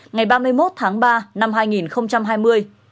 ngày ba mươi một tháng ba năm hai nghìn hai mươi